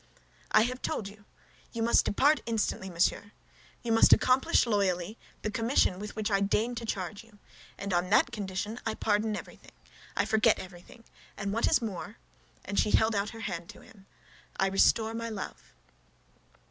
"I have told you. You must depart instantly, monsieur. You must accomplish loyally the commission with which I deign to charge you, and on that condition I pardon everything, I forget everything; and what is more," and she held out her hand to him, "I restore my love."